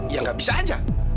ya gak bisa aja